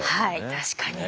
確かに。